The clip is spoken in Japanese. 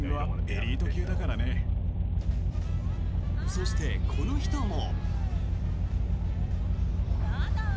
そして、この人も。